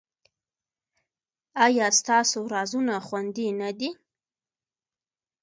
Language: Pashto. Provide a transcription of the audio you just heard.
ایا ستاسو رازونه خوندي نه دي؟